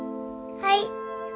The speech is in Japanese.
はい。